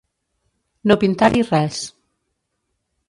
No pintar-hi res.